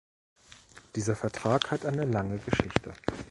Dieser Vertrag hat eine lange Geschichte.